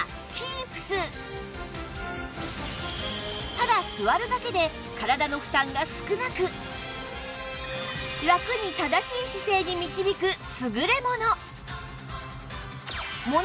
ただ座るだけで体の負担が少なくラクに正しい姿勢に導く優れ物！